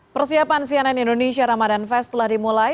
persiapan cnn indonesia ramadan fest telah dimulai